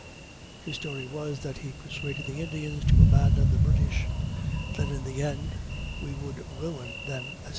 His story was, that he persuaded the Indians to abandon the British; that in the end we would ruin them, &c.